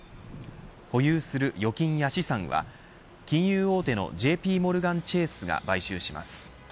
保有する預金や資産は金融大手のＪＰモルガン・チェースが買収します。